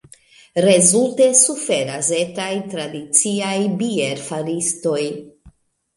Rezulte suferas etaj, tradiciaj bierfaristoj.